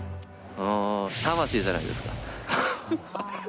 あ、魂じゃないですか？